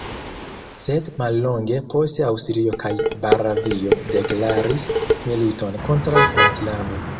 Sed mallonge poste Aŭstrio kaj Bavario deklaris militon kontraŭ Franclando.